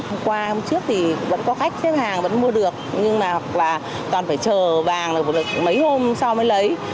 hôm qua hôm trước thì vẫn có khách xếp hàng vẫn mua được nhưng mà hoặc là toàn phải chờ vàng mấy hôm sau mới lấy